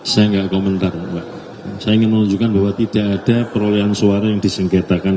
saya enggak komentar mbak saya ingin menunjukkan bahwa tidak ada perolehan suara yang disengketakan